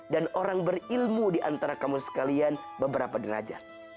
dan orang berilmu diantara kamu sekalian beberapa derajat